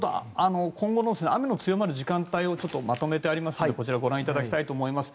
今後の雨の強まる時間帯をまとめてありますのでご覧いただきたいと思います。